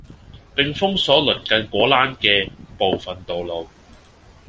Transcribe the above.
並封鎖鄰近果欄嘅部分道路